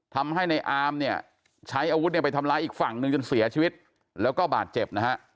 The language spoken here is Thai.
ทำให้ในอามเนี่ยใช้อาวุธเนี่ยไปทำร้ายอีกฝั่งหนึ่งจนเสียชีวิตแล้วก็บาดเจ็บนะฮะ